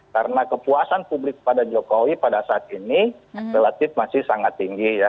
karena kepuasan publik pada jokowi pada saat ini relatif masih sangat tinggi ya